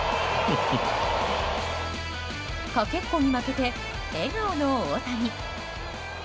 かけっこに負けて笑顔の大谷。